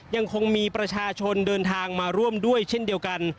ยังคงมีประชาชนเดินทางมาร่วมด้วยเช่นเดียวกัน